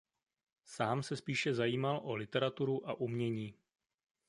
Sám se spíše zajímal o literaturu a umění.